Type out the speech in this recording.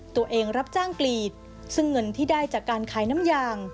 ตัวเองรับจ้างกรีดซึ่งเงินที่ได้จากการขายน้ำยาง